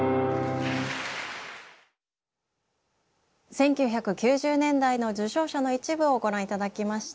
１９９０年代の受賞者の一部をご覧頂きました。